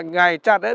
ngày chặt ấy